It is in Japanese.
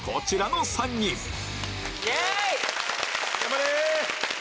頑張れ！